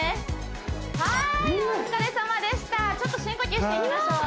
はーいお疲れさまでしたちょっと深呼吸していきましょう